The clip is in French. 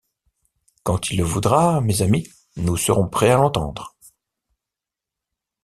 Quand il le voudra, mes amis, nous serons prêts à l’entendre